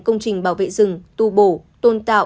công trình bảo vệ rừng tu bổ tôn tạo